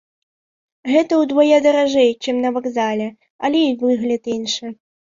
Гэта ўдвая даражэй, чым на вакзале, але і выгляд іншы.